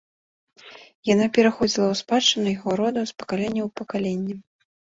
Яна пераходзіла ў спадчыну яго роду з пакалення ў пакаленне.